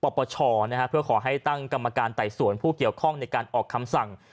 ปปชเพื่อขอให้ตั้งกรรมการไต่สวนผู้เกี่ยวข้องในการออกคำสั่ง